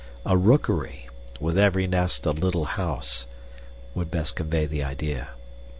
A rookery, with every nest a little house, would best convey the idea.